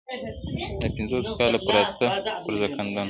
دا پنځوس کاله پراته پر زکندن یو -